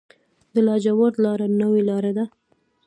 د لاجوردو لاره نوې لاره ده